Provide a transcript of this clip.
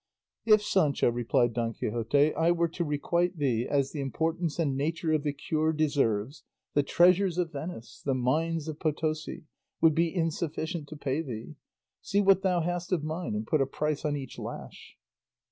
"If Sancho," replied Don Quixote, "I were to requite thee as the importance and nature of the cure deserves, the treasures of Venice, the mines of Potosi, would be insufficient to pay thee. See what thou hast of mine, and put a price on each lash."